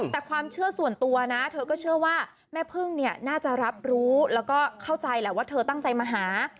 แต่ความเชื่อส่วนตัวนะเธอก็เชื่อว่าแม่พึ่งเนี่ยน่าจะรับรู้แล้วก็เข้าใจแหละว่าเธอตั้งใจมาหา